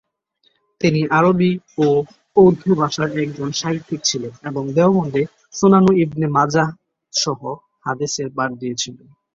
তিনি আরবি ও উর্দু ভাষার একজন সাহিত্যিক ছিলেন এবং দেওবন্দে "সুনানে ইবনে মাজাহ" সহ হাদিসের পাঠ দিয়েছেন।